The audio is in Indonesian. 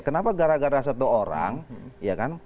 kenapa gara gara satu orang ya kan